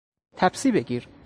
تپسی بگیر